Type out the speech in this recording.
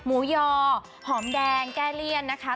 หมูยอหอมแดงแก้เลี่ยนนะคะ